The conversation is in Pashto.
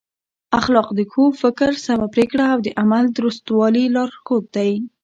اخلاق د ښو فکر، سمه پرېکړه او د عمل د درستوالي لارښود دی.